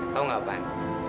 tau gak apaan